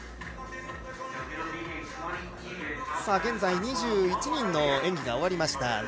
現在２１人の演技が終わりました。